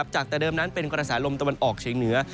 จากแต่เดิมนั้นเป็นกระแสลมตะวันออกเฉียงเหนือ